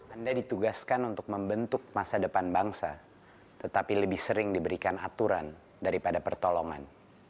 anda ditugaskan untuk membentuk masa depan bangsa tetapi lebih sering diberikan aturan daripada pertolongan